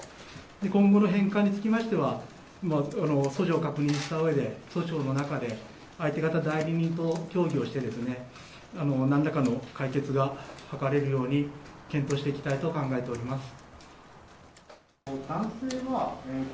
今後の返還につきましては訴状を確認したうえで訴訟の中で相手方の代理人と協議をして何らかの解決が図れるように検討していきたいと考えています。